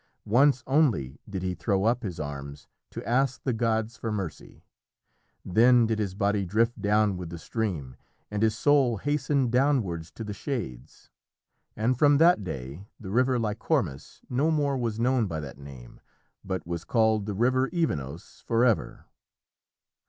Once only did he throw up his arms to ask the gods for mercy; then did his body drift down with the stream, and his soul hastened downwards to the Shades. And from that day the river Lycormas no more was known by that name, but was called the river Evenos forever.